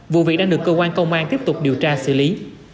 vụ việc đang được cơ quan công an tiếp tục điều tra xử lý